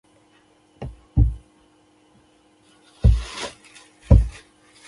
څادر د یخنۍ لپاره کمپله ده.